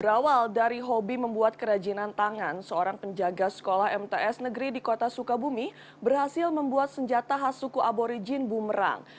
berawal dari hobi membuat kerajinan tangan seorang penjaga sekolah mts negeri di kota sukabumi berhasil membuat senjata khas suku aborijin bumerang